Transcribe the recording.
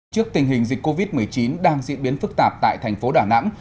trước tình hình dịch covid một mươi chín đang diễn biến phức tạp tại thành phố đà nẵng